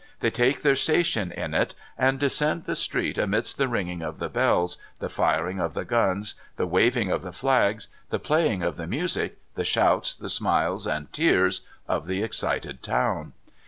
They take their station in it, and descend the street amidst the ringing of the bells, the firing of the guns, the waving of the flags, the playing of the music, the shouts, the smiles, and tears, of the excited town.